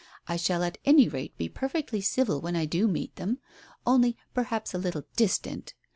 I shall at any rate be per fectly civil when I do meet them — only perhaps a little distant.